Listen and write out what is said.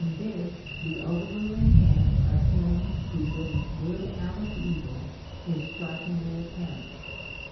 Vll this the overruling hand of Him who brings good out of evil is strikingly apparent.